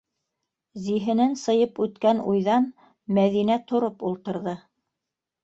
Зиһенен сыйып үткән уйҙан Мәҙинә тороп ултырҙы.